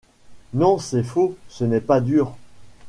Non, c’est faux : ce n’est pas « dur ».